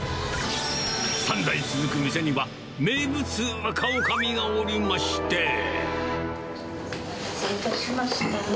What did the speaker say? ３代続く店には、お待たせいたしました。